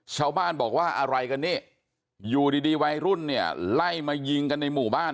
ชาวบ้านบอกว่าอะไรกันนี่อยู่ดีวัยรุ่นเนี่ยไล่มายิงกันในหมู่บ้าน